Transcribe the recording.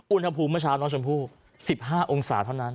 อุณหภูมิเมื่อเช้าน้องชมพู่๑๕องศาเท่านั้น